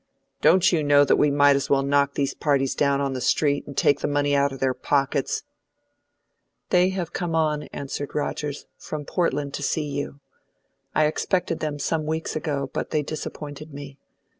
Don't you know that we might as well knock these parties down on the street, and take the money out of their pockets?" "They have come on," answered Rogers, "from Portland to see you. I expected them some weeks ago, but they disappointed me.